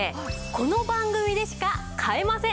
この番組でしか買えません。